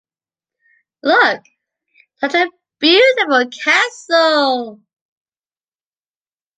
Look, such a beautiful castle!